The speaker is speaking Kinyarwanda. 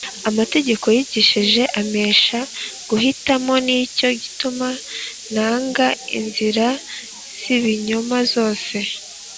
Amategeko wigishije ampesha guhitamo ni cyo gituma nanga inzira z’ibinyoma zose.